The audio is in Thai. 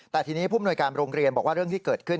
แต่ทีนี้ผู้มนวยการโรงเรียนบอกว่าเรื่องที่เกิดขึ้น